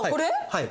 はい。